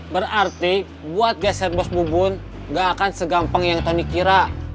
berarti buat geser bos bubun gak akan segampang yang tony kira